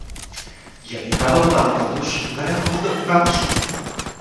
Γιατί κάτω από τα ρούχα τους δεν έχουν ούτε πουκάμισο!